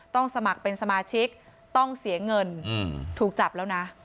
สมัครเป็นสมาชิกต้องเสียเงินถูกจับแล้วนะ